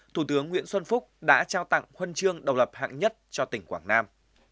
thủ tướng nguyễn xuân phúc đã trao tặng khuân trương đầu lập hạng nhất cho tỉnh quảng nam